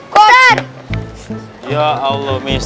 kok kelihatan resu begitu